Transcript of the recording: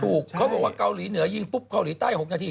เขาบอกว่าเกาหลีเหนือยิงปุ๊บเกาหลีใต้๖นาที